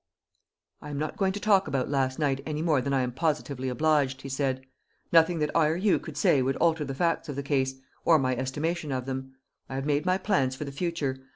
"I am not going to talk about last night any more than I am positively obliged," he said; "nothing that I or you could say would alter the facts of the case, or my estimation of them. I have made my plans for the future.